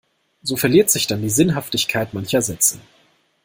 So verliert sich dann die Sinnhaftigkeit mancher Sätze.